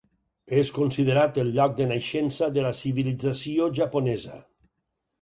És considerat el lloc de naixença de la civilització japonesa.